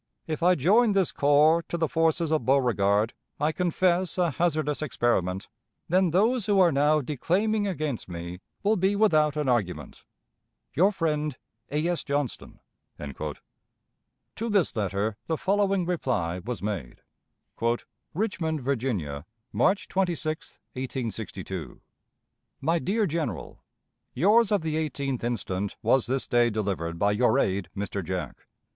If I join this corps to the forces of Beauregard (I confess a hazardous experiment), then those who are now declaiming against me will be without an argument. "Your friend, A. S. JOHNSTON." To this letter the following reply was made: "RICHMOND, VIRGINIA, March 26, 1862. "MY DEAR GENERAL: Yours of the 18th instant was this day delivered by your aide, Mr. Jack.